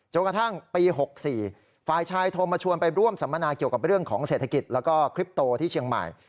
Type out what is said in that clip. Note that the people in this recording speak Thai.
กระทั่งปี๖๔ฝ่ายชายโทรมาชวนไปร่วมสัมมนาเกี่ยวกับเรื่องของเศรษฐกิจแล้วก็คลิปโตที่เชียงใหม่